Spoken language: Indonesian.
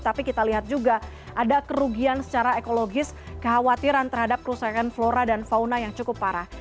tapi kita lihat juga ada kerugian secara ekologis kekhawatiran terhadap kerusakan flora dan fauna yang cukup parah